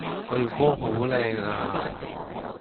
個月光好靚呀